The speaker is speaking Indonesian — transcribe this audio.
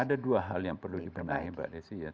ada dua hal yang perlu dipenuhi mbak desy